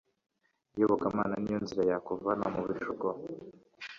Iyobokamana niyo nzira yakuvana mubishuko